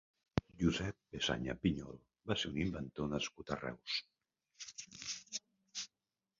Josep Pesaña Pinyol va ser un inventor nascut a Reus.